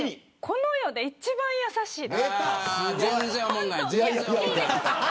この世で一番優しい。